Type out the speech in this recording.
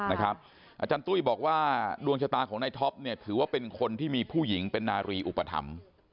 อาจารย์ตุ้ยบอกว่าดวงชะตาของนายท็อปถือว่าเป็นคนที่มีผู้หญิงเป็นนารีอุปถัมภ์